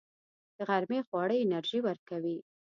د غرمې خواړه انرژي ورکوي